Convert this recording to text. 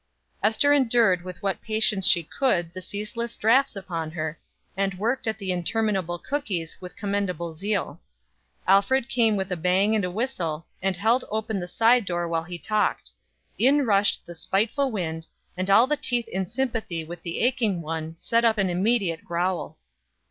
Ester endured with what patience she could the ceaseless drafts upon her, and worked at the interminable cookies with commendable zeal. Alfred came with a bang and a whistle, and held open the side door while he talked. In rushed the spiteful wind, and all the teeth in sympathy with the aching one set up an immediate growl.